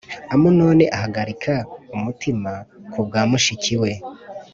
Amunoni ahagarika umutima ku bwa mushiki we